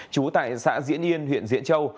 chú tại xã diễn yên huyện diễn châu